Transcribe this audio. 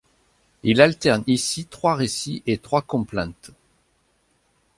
Il alterne ici trois récits et trois complaintes.